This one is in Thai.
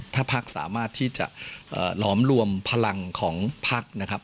ถ้าพักสามารถที่จะหลอมรวมพลังของพักนะครับ